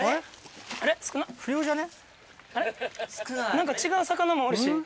何か違う魚もおるし。